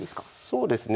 そうですね。